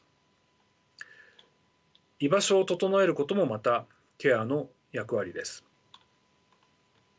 居場所を整えることもまたケアの役割です。